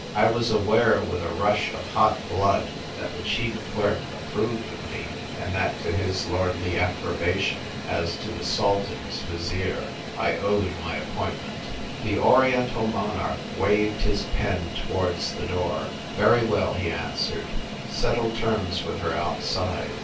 I was aware with a rush of hot blood that the chief clerk approved of me, and that to his lordly approbation (as of the Sultan's Vizier) I owed my appointment. The Oriental monarch waved his pen to wards the door. " Very well," he answered. " Settle terms with her outside.